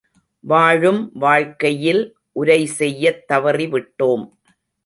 வாழும் வாழ்க்கையில் உரைசெய்யத் தவறிவிட்டோம்!